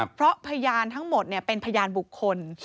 เพราะพยานทั้งหมดเป็นพยานบุคคล